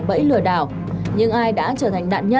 bên này đông nhá